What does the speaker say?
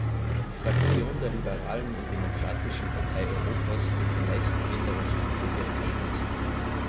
Die Fraktion der Liberalen und Demokratischen Partei Europas wird die meisten Änderungsanträge unterstützen.